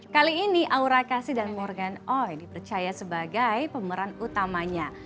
kali ini aura kasi dan morgan oy dipercaya sebagai pemeran utamanya